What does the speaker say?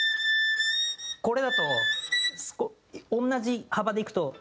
これだと同じ幅でいくと。